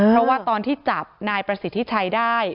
เพราะว่าตอนที่จับนายประสิทธิชัยได้